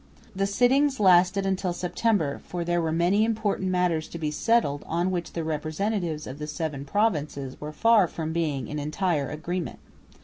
The sittings lasted until September, for there were many important matters to be settled on which the representatives of the seven provinces were far from being in entire agreement.